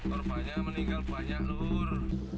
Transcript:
lur banyak meninggal banyak lur